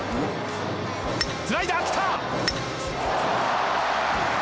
スライダーきた！